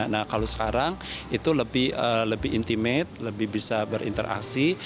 nah kalau sekarang itu lebih intimate lebih bisa berinteraksi